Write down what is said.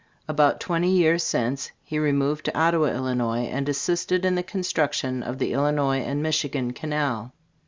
About twenty years since, he removed to Ottawa, Illinois, and assisted in the construction of the Illinois and Michigan Canal.